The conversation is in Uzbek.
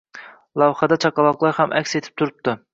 Lavhada chaqaloqlar ham aks etib turibdi.